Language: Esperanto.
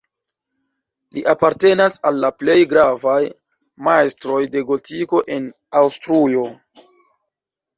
Li apartenas al la plej gravaj majstroj de gotiko en Aŭstrujo.